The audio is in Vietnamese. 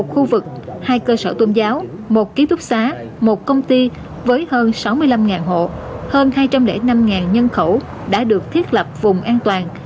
một khu vực hai cơ sở tôn giáo một ký túc xá một công ty với hơn sáu mươi năm hộ hơn hai trăm linh năm nhân khẩu đã được thiết lập vùng an toàn